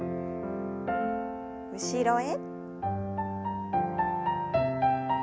後ろへ。